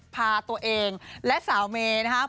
พาตัวเองและสาวเมย์นะครับ